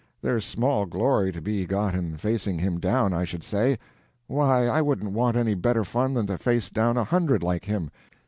There's small glory to be got in facing him down, I should say. Why, I wouldn't want any better fun than to face down a hundred like him.